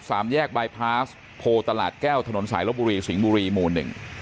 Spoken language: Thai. สามแยกบายพาสโพตลาดแก้วถนนสายลบบุรีสิงห์บุรีหมู่หนึ่ง